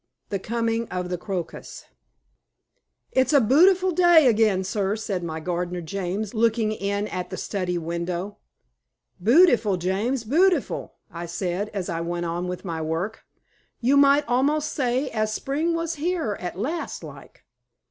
XXIII. THE COMING OF THE CROCUS "It's a bootiful day again, Sir," said my gardener, James, looking in at the study window. "Bootiful, James, bootiful," I said, as I went on with my work. "You might almost say as Spring was here at last, like."